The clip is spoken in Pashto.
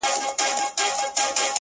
ما او تا د وخت له ښايستو سره راوتي يـو-